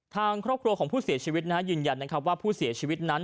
ทางครอบครัวของผู้เสียชีวิตยืนยันนะครับว่าผู้เสียชีวิตนั้น